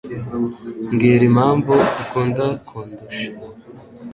Mbwira impamvu ukunda kundusha.